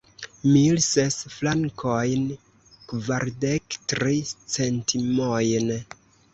Mil ses frankojn, kvardek tri centimojn.